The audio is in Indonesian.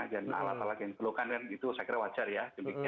dan alat alat yang diperlukan kan gitu saya kira wajar ya